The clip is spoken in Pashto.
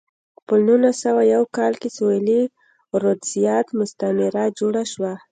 په نولس سوه یو کال کې سویلي رودزیا مستعمره جوړه شوه.